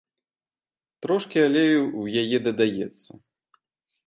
Трошкі алею ў яе дадаецца.